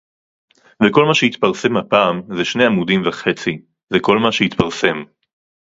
וכל מה שהתפרסם הפעם זה שני עמודים וחצי - זה כל מה שהתפרסם